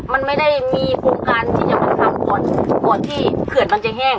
มันไม่ได้มีโครงการที่จะมาทำคนก่อนที่เขื่อนมันจะแห้ง